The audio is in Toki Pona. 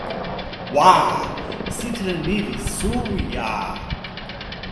wa! sitelen ni li suwi a!